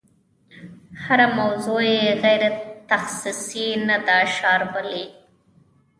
هره موضوع یې غیر تخصصي نه ده شاربلې.